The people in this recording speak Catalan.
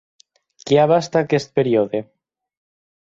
Què abasta aquest període?